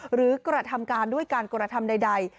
กระทำการด้วยการกระทำใด